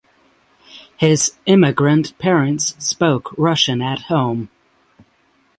His immigrant parents spoke Russian at home.